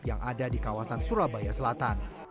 yang ada di kawasan surabaya selatan